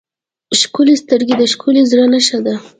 ښکلي سترګې د ښکلي زړه نښه ده.